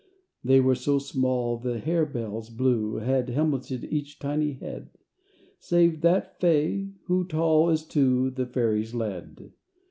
They were so small the harebell's blue Had helmeted each tiny head, Save that fair Fay, who, tall as two, The Fairies led.